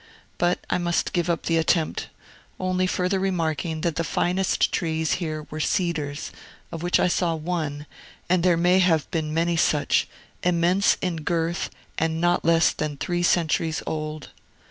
But I must give up the attempt; only further remarking that the finest trees here were cedars, of which I saw one and there may have been many such immense in girth, and not less than three centuries old.